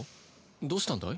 どうしたんだい？